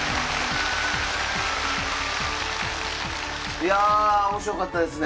いや面白かったですね。